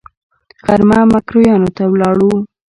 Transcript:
غرمه ميکرويانو ته ولاړو.